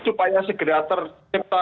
supaya segera tercipta